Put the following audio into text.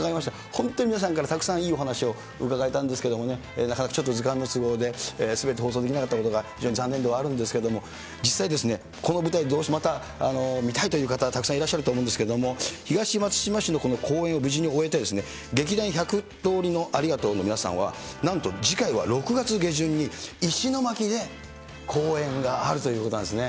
本当に皆さんからたくさんいいお話を伺えたんですけどもね、なかなかちょっと時間の都合で、すべて放送できなかったことが非常に残念ではあるんですけれども、実際ですね、この舞台、どうしても見たいという方たくさんいらっしゃると思うんですけれども、東松島市の公演を無事に終えて、劇団１００通りのありがとうの皆さんはなんと次回は６月下旬に、石巻で公演があるということなんですね。